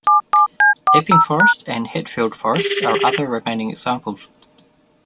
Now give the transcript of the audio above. Epping Forest and Hatfield Forest are other remaining examples.